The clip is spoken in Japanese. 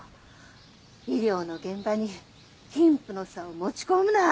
「医療の現場に貧富の差を持ち込むな！」ってさ。